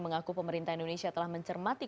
mengaku pemerintah indonesia telah mencermati